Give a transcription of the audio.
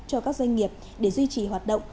cho các doanh nghiệp để duy trì hoạt động